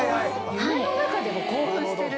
夢の中でも興奮してる？